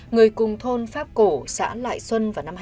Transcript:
người cùng thôn pháp cổ xã lại xuân vào năm hai nghìn sáu